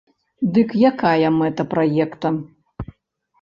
Дык якая мэта праекта?